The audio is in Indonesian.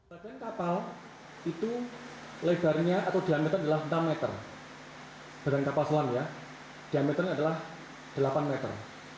labian kapal itu lebarnya atau diameter adalah enam meter